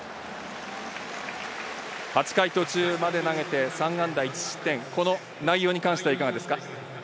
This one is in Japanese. ８回途中まで投げて３安打１失点、この内容に関してはいかがですか？